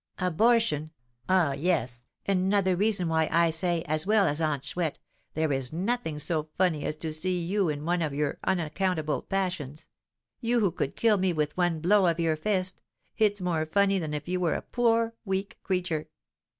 "Abortion! ah, yes, another reason why I say, as well as Aunt Chouette, there is nothing so funny as to see you in one of your unaccountable passions you, who could kill me with one blow of your fist; it's more funny than if you were a poor, weak creature.